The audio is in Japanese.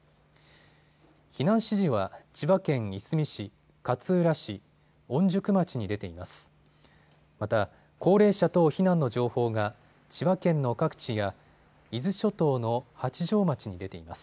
避難指示は千葉県いすみ市、勝浦市、御宿町に出ています。